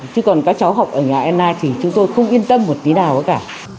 chứ còn các cháu học ở nhà n i thì chúng tôi không yên tâm một tí nào cả